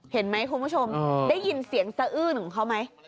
เห็นไหมคุณผู้ชมได้ยินเสียงสะอื้นของเขาไหม